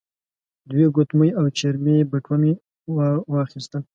دوې ګوتمۍ او چرمې بټوه يې ور واخيستل.